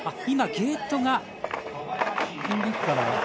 今、ゲートが。